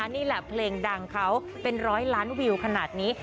นี่แหละเพลงดังเขาเป็นร้อยล้านวิวขนาดนี้